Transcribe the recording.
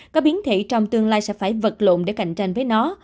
các biến thể trong tương lai sẽ phải vật lộn để cạnh tranh với nó